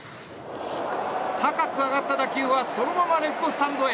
高く上がった打球はそのままレフトスタンドへ。